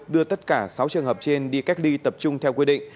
đưa tất cả sáu trường hợp trên đi cách ly tập trung theo quy định